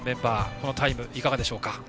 このタイム、いかがでしょうか。